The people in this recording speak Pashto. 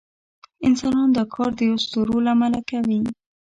انسانان دا کار د اسطورو له امله کوي.